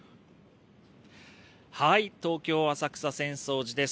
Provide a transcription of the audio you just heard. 東京・浅草、浅草寺です。